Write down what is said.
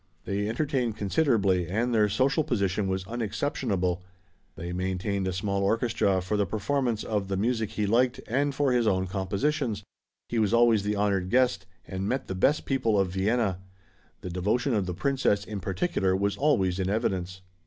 They entertained considerably and their social position was unexceptionable. They maintained a small orchestra for the performance of the music he liked and for his own compositions. He was always the honored guest, and met the best people of Vienna. The devotion of the Princess, in particular, was always in evidence.